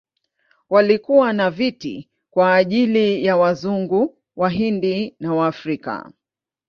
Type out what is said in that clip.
Kulikuwa na viti kwa ajili ya Wazungu, Wahindi na Waafrika.